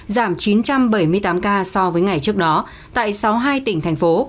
giảm chín trăm bảy mươi tám ca so với ngày trước đó tại sáu mươi hai tỉnh thành phố